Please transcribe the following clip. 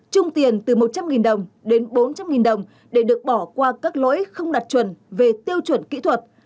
trung tiền từ một trăm linh đồng đến bốn trăm linh đồng để được bỏ qua các lỗi không đặt chuẩn về tiêu chuẩn kỹ thuật